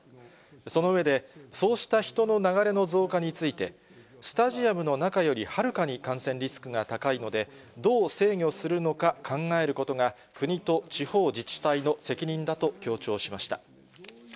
その上で、そうした人の流れの増加について、スタジアムの中よりはるかに感染リスクが高いので、どう制御するのか考えることが、国と地方自治体の責任だと強調しました。